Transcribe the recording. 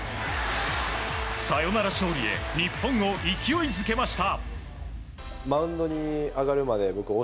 サヨナラ勝利へ日本を勢いづけました。